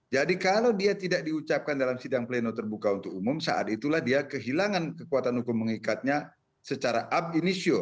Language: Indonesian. jadi kalau dia tidak diucapkan dalam sidang pleno terbuka untuk umum saat itulah dia kehilangan kekuatan hukum mengikatnya secara ab initio